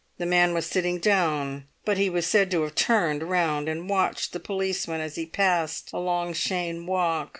The man was sitting down, but he was said to have turned round and watched the policeman as he passed along Cheyne Walk.